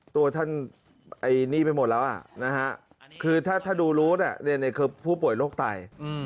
ตัวท่านไอ้นี่ไปหมดแล้วคือถ้าดูรู้คือผู้ป่วยโรคไต